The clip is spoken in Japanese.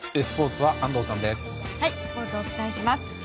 スポーツお伝えします。